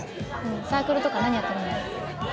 サークルとか何やってるの？